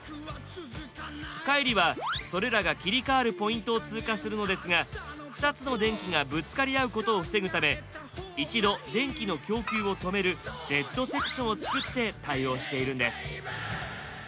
海里はそれらが切り替わるポイントを通過するのですが２つの電気がぶつかり合うことを防ぐため一度電気の供給を止めるデッドセクションを作って対応しているんです。